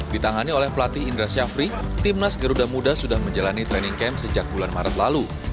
ditangani oleh pelatih indra syafri timnas garuda muda sudah menjalani training camp sejak bulan maret lalu